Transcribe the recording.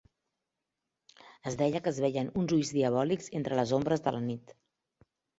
Es deia que es veien uns ulls diabòlics entre les ombres de la nit.